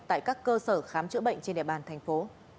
tại các cơ sở khám chữa bệnh trên địa bàn thành phố